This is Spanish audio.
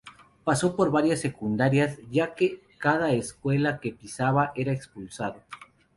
Pasó por varias secundarias, ya que, de cada escuela que pisaba era expulsado.